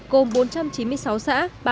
cùng bốn trăm chín mươi sáu xã